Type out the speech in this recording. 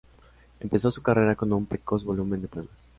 Empezó su carrera con un precoz volumen de poemas.